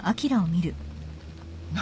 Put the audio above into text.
何？